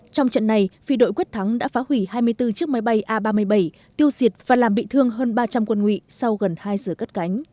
trong trận này phi đội quyết thắng đã phá hủy hai mươi bốn chiếc máy bay a ba mươi bảy tiêu diệt và làm bị thương hơn ba trăm linh quân nguyện sau gần hai giờ cất cánh